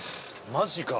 マジか。